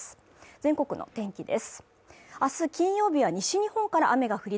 全国の天気です